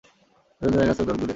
দু’জন দু’জনের কাছ থেকে অনেক দূরে।